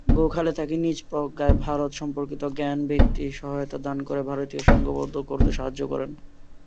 গোখলে তাকে নিজ প্রজ্ঞা, ভারত সম্পর্কিত জ্ঞান ও ব্যক্তিগত সহায়তা দান করে ভারতীয়দের সংঘবদ্ধ করতে সাহায্য করেন।